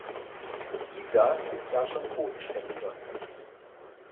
Luisa ist da schon bodenständiger.